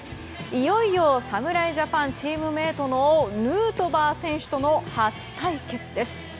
いよいよ侍ジャパンチームメートのヌートバー選手との初対決です。